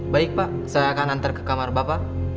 baik pak saya akan antar ke kamar bapak